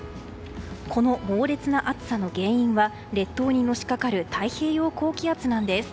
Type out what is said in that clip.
この猛烈な暑さの原因は列島にのしかかる太平洋高気圧なんです。